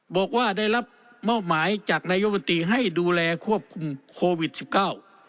บอกว่าได้รับมอบหมายจากนายกบนตรีให้ดูแลควบคุมโควิดสิบเก้า